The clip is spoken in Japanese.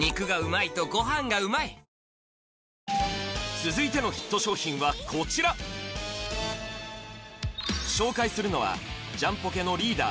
続いてのヒット商品はこちら紹介するのはジャンポケのリーダー